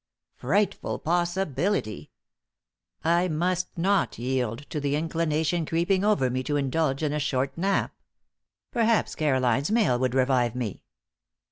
Frightful possibility! I must not yield to the inclination creeping over me to indulge in a short nap. Perhaps Caroline's mail would revive me!